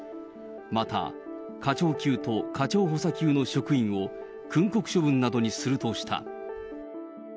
また課長級と課長補佐級の職員を訓告処分などにするとした。